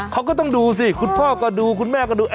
เขาก็ต้องดูสิคุณพ่อก็ดูคุณแม่ก็ดู